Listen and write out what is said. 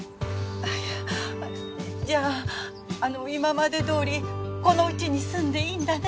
あいやじゃああの今までどおりこのうちに住んでいいんだね？